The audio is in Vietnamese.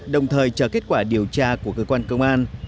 đồng thời chờ kết quả điều tra của cơ quan công an